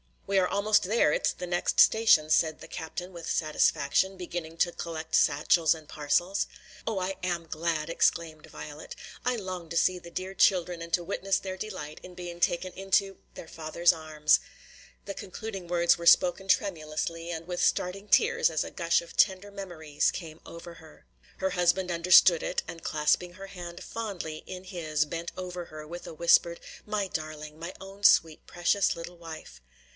"We are almost there; it's the next station," said the captain with satisfaction, beginning to collect satchels and parcels. "Oh, I am glad!" exclaimed Violet. "I long to see the dear children and to witness their delight in being taken into their father's arms." The concluding words were spoken tremulously and with starting tears as a gush of tender memories came over her. Her husband understood it, and clasping her hand fondly in his bent over her with a whispered, "My darling! my own sweet precious little wife!"